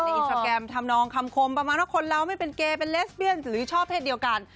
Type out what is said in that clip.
อินสตราแกรมทำนองคำคมประมาณว่าคนเราไม่เป็นเกย์เป็นเลสเบียนหรือชอบเพศเดียวกัน